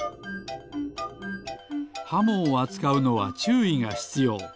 ハモをあつかうのはちゅういがひつよう。